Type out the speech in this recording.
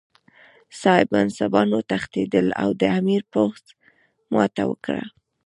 صاحب منصبان وتښتېدل او د امیر پوځ ماته وکړه.